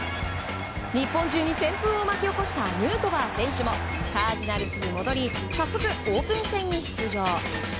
日本中に旋風を巻き起こしたヌートバー選手もカージナルスに戻り早速オープン戦に出場。